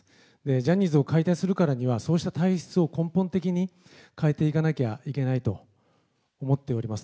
ジャニーズを解体するからには、そうした体質を根本的に変えていかなきゃいけないと思っております。